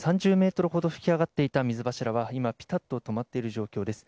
３０ｍほど噴き上がっていた水柱は、今ぴたっと止まっている状態です。